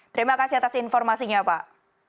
terima kasih atas informasinya pak